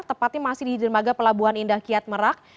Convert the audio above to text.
tepatnya masih di dermaga pelabuhan indah kiat merak